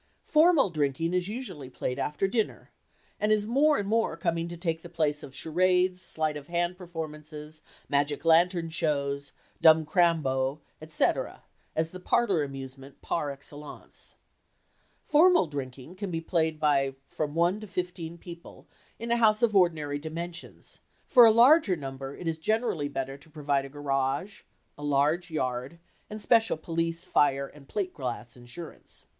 "Formal drinking" is usually played after dinner and is more and more coming to take the place of charades, sleight of hand performances, magic lantern shows, "dumb crambo," et cetera, as the parlor amusement par excellence. "Formal drinking" can be played by from one to fifteen people in a house of ordinary dimensions; for a larger number it is generally better to provide a garage, a large yard, and special police, fire and plate glass insurance.